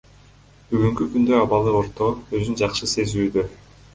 Бүгүнкү күндө абалы орто, өзүн жакшы сезүүдө.